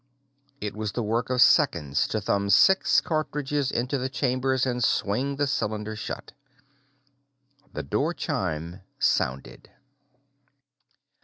It was the work of seconds to thumb six cartridges into the chambers and swing the cylinder shut. The door chime sounded.